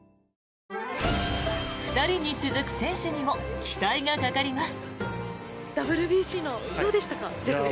２人に続く選手にも期待がかかります。